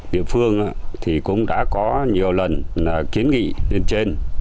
địa phương thì cũng đã có nhiều lần kiến nghị lên trên